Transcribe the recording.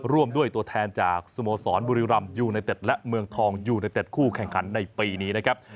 ร่วมด้วยตัวแทนจากสโมสรบุรีรำยูไนเต็ดและเมืองทองยูเนเต็ดคู่แข่งขันในปีนี้นะครับ